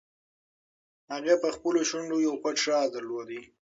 هغې په خپلو شونډو یو پټ راز درلود.